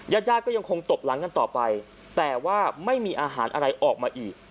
ญาติญาติก็ยังคงตบหลังกันต่อไปแต่ว่าไม่มีอาหารอะไรออกมาอีก